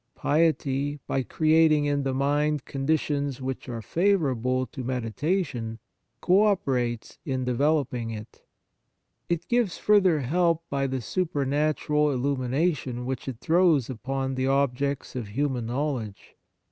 Piety, by creating in the mind condi tions which are favourable to medita tion, co operates in developing it. It gives further help by the super natural illumination which it throws upon the objects of human know ledge.